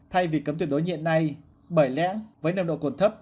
thay vì cấm tuyệt đối nhiện này bởi lẽ với nồng đội cồn thấp